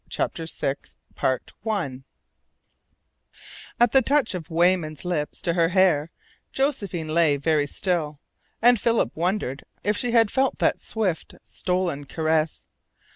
CHAPTER SIX At the touch of Weyman's lips to her hair Josephine lay very still, and Philip wondered if she had felt that swift, stolen caress.